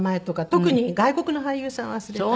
特に外国の俳優さん忘れたり。